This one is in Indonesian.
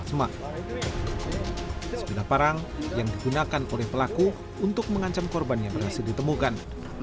sebelah parang yang digunakan oleh pelaku untuk mengancam korban yang berhasil ditemukan